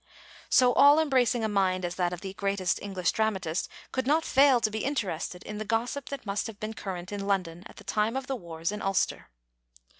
So all embracing a mind as that of the greatest English dramatist could not fail to be interested in the gossip that must have been current in London at the time of the wars in Ulster.